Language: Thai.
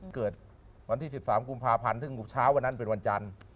เกิดวันที่๑๓กุมภาพันธ์ซึ่งเช้าวันนั้นเป็นวันจันทร์